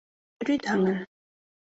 Рӱдаҥын.